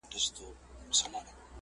ملالۍ دغه غیرت وو ستا د وروڼو؟.!